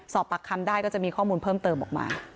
สอบปากคำได้ก็จะมีข้อมูลเพิ่มเติมออกมา